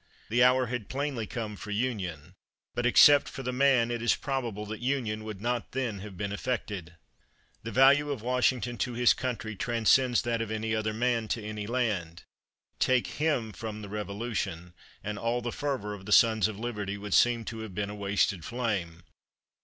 The hour had plainly come for union, but except for the man it is probable that union would not then have been effected. The value of Washington to his country transcends that of any other man to any land. Take him from the Revolution, and all the fervor of the Sons of Liberty would seem to have been a wasted flame.